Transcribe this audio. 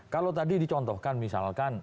kalau tadi dicontohkan misalkan